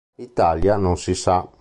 L'italia non si sa.